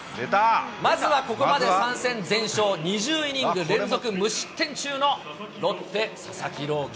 まずはここまで３戦全勝、２０イニング連続無失点中の、ロッテ、佐々木朗希。